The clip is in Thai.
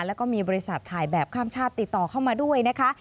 แล้วก็มีบริษัทถ่ายแบบข้ามชาติติดต่อเข้ามาด้วยนะคะ